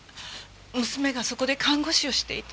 娘がそこで看護師をしていて。